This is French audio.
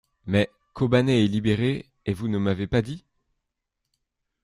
Mais, Kobané est libérée et vous ne m’avez pas dit.